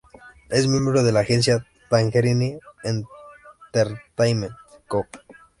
Es miembro de la agencia "Tangerine Entertainment Co.".